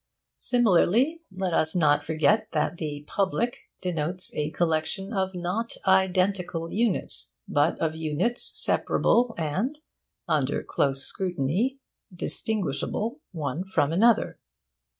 Similarly, let us not forget that 'public' denotes a collection not of identical units, but of units separable and (under close scrutiny) distinguishable one from another.